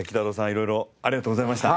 色々ありがとうございました。